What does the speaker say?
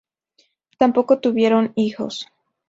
Tampoco tuvieron hijos.